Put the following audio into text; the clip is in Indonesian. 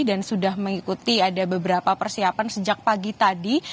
dan sudah mengikuti ada beberapa persiapan sejak pagi tadi